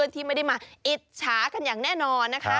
ที่ไม่ได้มาอิจฉากันอย่างแน่นอนนะคะ